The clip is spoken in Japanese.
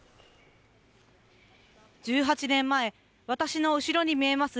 １８年前、私の後ろに見えます